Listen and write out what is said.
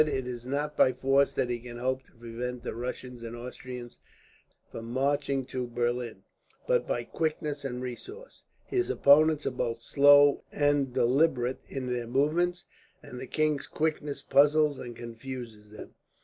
"It is not by force that he can hope to prevent the Russians and Austrians from marching to Berlin, but by quickness and resource. His opponents are both slow and deliberate in their movements, and the king's quickness puzzles and confuses them.